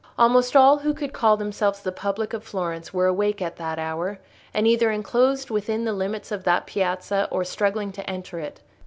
Almost all who could call themselves the public of Florence were awake at that hour, and either enclosed within the limits of that piazza, or struggling to enter it.